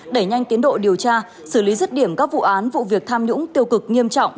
đẩy nhanh tiến độ điều tra xử lý rứt điểm các vụ án vụ việc tham nhũng tiêu cực nghiêm trọng